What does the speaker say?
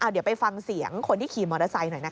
เดี๋ยวไปฟังเสียงคนที่ขี่มอเตอร์ไซค์หน่อยนะคะ